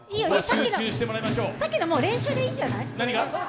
さっきのはもう、練習でいいんじゃない？